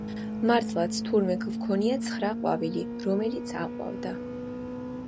მართლაც, თურმე გვქონია ცხრა ყვავილი, რომელიც აყვავდა.